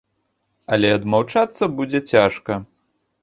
Але адмаўчацца будзе цяжка.